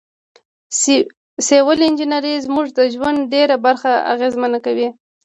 سیول انجنیری زموږ د ژوند ډیره برخه اغیزمنه کوي.